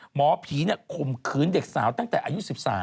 หมอผีข่มขืนเด็กสาวตั้งแต่อายุ๑๓